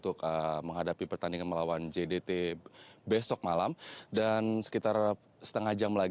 akan melakukan pertandingan di lapangan b untuk melawan jdt besok malam